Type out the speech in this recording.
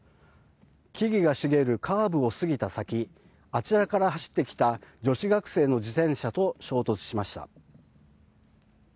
木々が茂るカーブを過ぎた先あちらから走ってきた女子学生の自転車と衝突しました。